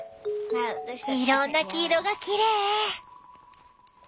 いろんな黄色がきれい！